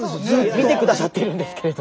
見て下さってるんですけれど。